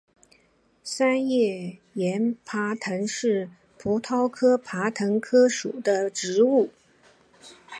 三叶崖爬藤是葡萄科崖爬藤属的植物。